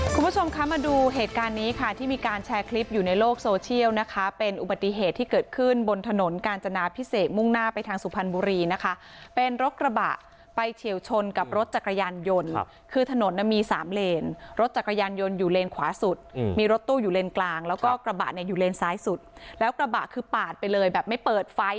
คุณผู้ชมคะมาดูเหตุการณ์นี้ค่ะที่มีการแชร์คลิปอยู่ในโลกโซเชียลนะคะเป็นอุบัติเหตุที่เกิดขึ้นบนถนนกาญจนาพิเศษมุ่งหน้าไปทางสุพรรณบุรีนะคะเป็นรถกระบะไปเฉียวชนกับรถจักรยานยนต์คือถนนน่ะมีสามเลนรถจักรยานยนต์อยู่เลนขวาสุดอืมมีรถตู้อยู่เลนกลางแล้วก็กระบะเนี่ยอยู่เลนซ้ายสุดแล้วกระบะคือปาดไปเลยแบบไม่เปิดไฟ